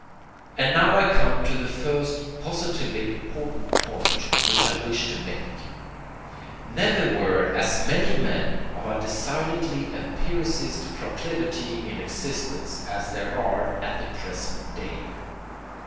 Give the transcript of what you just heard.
And now I come to the first positively important point which I wish to make. Never were as many men of a decidedly empiricist proclivity in existence as there are at the present day.